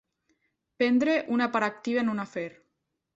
Prendre una part activa en un afer.